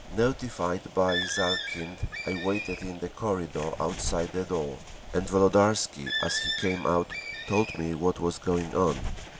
Notified by Zalkind, I waited in the corridor outside the door; and Volodarsky as he came out told me what was going on.